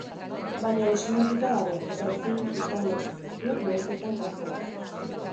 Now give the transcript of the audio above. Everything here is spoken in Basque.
Baina lesionatuta dago, eta ezin izango du neurketan parte hartu.